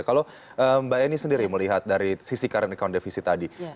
kalau mbak eni sendiri melihat dari sisi current account defisit tadi